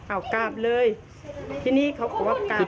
อ้าวกราบเลยที่นี่เขาก็ว่ากราบเลย